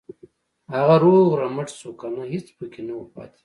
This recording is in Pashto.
هغه روغ رمټ شو کنه هېڅ پکې نه وو پاتې.